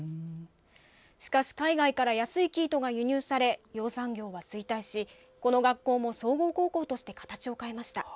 しかし海外から安い生糸が輸入され養蚕業は衰退し、この学校も総合高校として形を変えました。